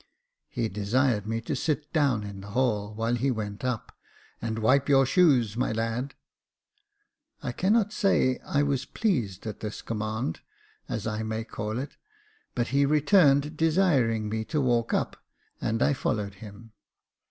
He desired me to sit down in the hall, while he went up ;" And wipe your shoes, my lad." I cannot say that I was pleased at this command, as I may call it, but he returned, desiring me to walk up, and I followed him.